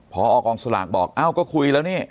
พอกองสลากบอกเอ้าก็คุยแล้วนี่